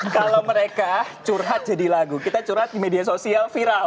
kalau mereka curhat jadi lagu kita curhat di media sosial viral